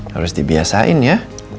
harus dibiasain ya